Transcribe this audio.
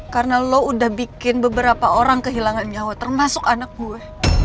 karena lu udah bikin beberapa orang kehilangan nyawa termasuk anak gue